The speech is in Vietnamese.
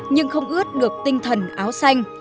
nhưng không ướt được tinh thần áo xanh